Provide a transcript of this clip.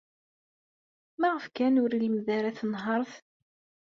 Maɣef kan ur ilemmed ara tanhaṛt?